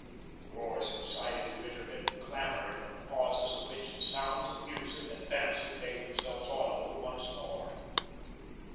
The roar subsided to intermittent clamour, in the pauses of which the sounds of music and dancing made themselves audible once more.